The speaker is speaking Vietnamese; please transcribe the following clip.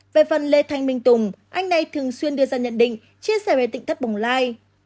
về phần lê thanh minh tùng anh này thường xuyên đưa ra nhận định chia sẻ về tỉnh thất bồng lai